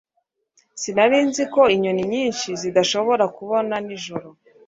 Sinari nzi ko inyoni nyinshi zidashobora kubona nijoro.